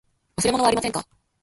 忘れ物はありませんか。